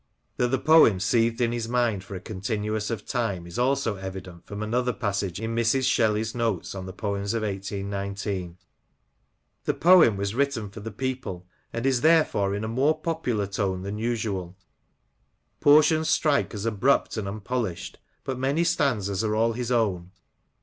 " That the poem seethed in his mind for a continuance of time is also evident from another passage in Mrs. Shelley's note on the poems of 18 19: —The poem was written for the people, and is therefore in a more popu lar tone than usual ; portions strike as abrupt and unpolished, but many stanzas are all his own.